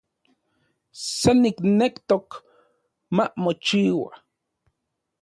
San niknektok mamochiua